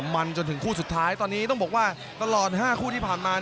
มันจนถึงคู่สุดท้ายตอนนี้ต้องบอกว่าตลอด๕คู่ที่ผ่านมา